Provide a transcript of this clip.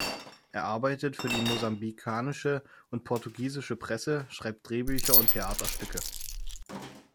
Er arbeitet für die mosambikanische und portugiesische Presse, schreibt Drehbücher und Theaterstücke.